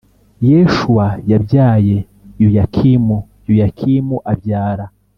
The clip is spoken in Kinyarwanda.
Yeshuwa yabyaye Yoyakimu Yoyakimu abyara